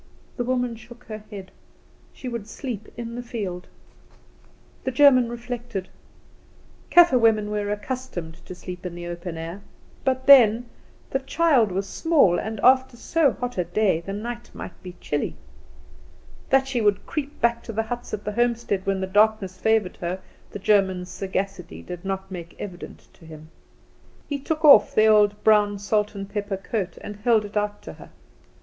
The woman shook her head; she would sleep in the field. The German reflected. Kaffer women were accustomed to sleep in the open air; but then, the child was small, and after so hot a day the night might be chilly. That she would creep back to the huts at the homestead when the darkness favoured her, the German's sagacity did not make evident to him. He took off the old brown salt and pepper coat, and held it out to her.